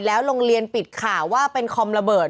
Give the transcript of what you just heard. โรงเรียนปิดข่าวว่าเป็นคอมระเบิด